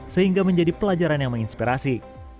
sehingga menjadi pelajaran yang menginspirasi